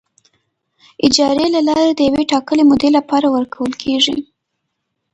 اجارې له لارې د یوې ټاکلې مودې لپاره ورکول کیږي.